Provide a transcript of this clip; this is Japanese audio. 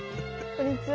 こんにちは。